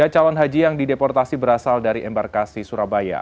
tiga calon haji yang dideportasi berasal dari embarkasi surabaya